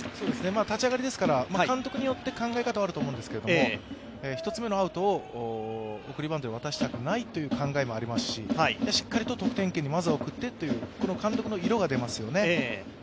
立ち上がりから、監督によよって考え方はあると思うんですけど、１つ目のアウトを送りバントで渡したくないという考えもありますし、しっかりと得点圏にまずは送ってという、監督の色が出ますよね。